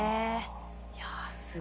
いやすごい。